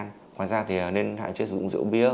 ngoài ra thì nên hạn chế sử dụng rượu bia